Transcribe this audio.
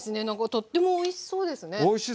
とってもおいしそうですね。